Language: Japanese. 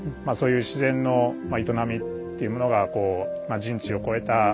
そういう自然の営みっていうものがこう人知を超えた